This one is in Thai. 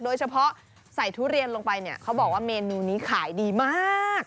โดยเฉพาะใส่ทุเรียนลงไปเนี่ยเขาบอกว่าเมนูนี้ขายดีมาก